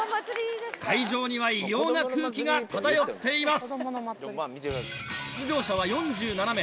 会場には異様な空気が漂っています。